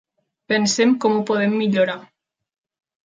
Pensem com ho podem millorar.